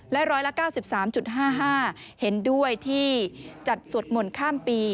ร้อยละ๙๓๕๕เห็นด้วยที่จัดสวดมนต์ข้ามปี